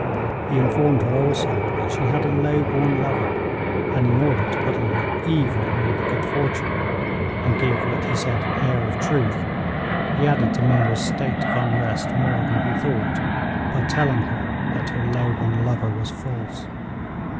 He informed her also that she had a low born lover, and in order to put a little evil in with the good fortune, and give what he said an air of truth, he added to Mary's state of unrest more than he thought by telling her that her low born lover was false.